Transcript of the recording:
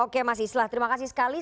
oke mas islah terima kasih sekali